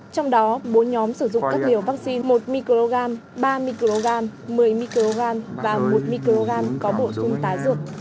trong đó bốn nhóm sử dụng các liều vaccine một mg ba mg một mươi mg và một mg có bộ dung tá dược